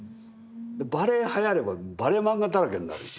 バレエはやればバレエ漫画だらけになるし。